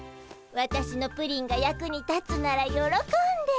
わたしのプリンが役に立つならよろこんで。